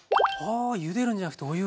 ゆでるんじゃなくてお湯を入れる。